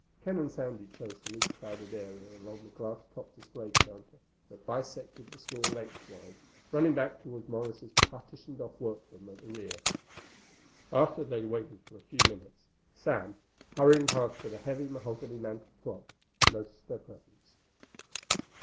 Ken and Sandy chose the least crowded area along the glass topped display counter that bisected the store lengthwise, running back toward Morris's partitioned off workroom at the rear. After they had waited for a few minutes, Sam, hurrying past with a heavy mahogany mantel clock, noticed their presence.